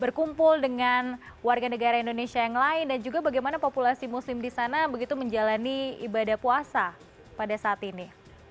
berkumpul dengan warga negara indonesia yang lain dan juga bagaimana populasi muslim di sana begitu menjalani ibadah puasa pada saat ini